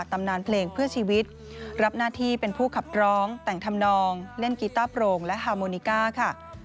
ตำนานเพลงเพื่อชีวิตรับหน้าที่เป็นผู้ขับร้องแต่งทำนองเล่นกีต้าโปร่งและฮาโมนิก้าค่ะ